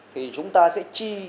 thì chúng ta sẽ chi